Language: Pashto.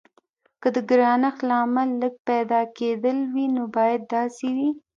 که د ګرانښت لامل لږ پیدا کیدل وي نو باید داسې وي.